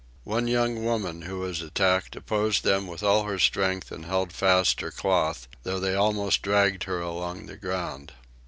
One young woman who was attacked opposed them with all her strength and held fast her cloth, though they almost dragged her along the ground.